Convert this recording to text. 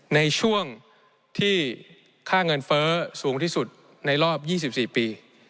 ในช่วงที่ค่าเงินเฟ้อสูงที่สุดในรอบ๒๔ปี